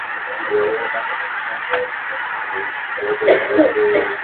From that time onward the register is nearly complete.